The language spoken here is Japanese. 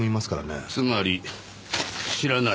つまり知らないと。